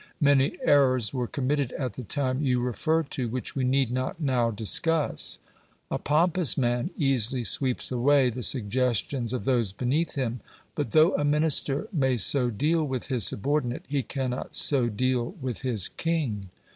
Many errors were committed at the time you refer to which we need not now discuss." A pompous man easily sweeps away the suggestions of those beneath him. But though a minister may so deal with his subordinate, he cannot so deal with his king.